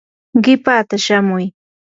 qipaata shamuy.